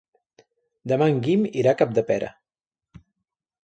Demà en Guim irà a Capdepera.